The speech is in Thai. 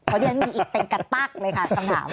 เพราะที่มีอีกเป็นกระตรักเลยค่ะคำถาม